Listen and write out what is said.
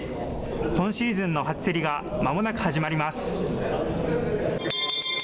今シーズンの初競りがまもなく始まります。